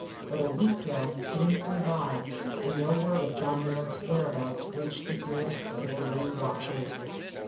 But a week dragged painfully by and no word of John Merrick's whereabouts reached the ears of the weary watchers.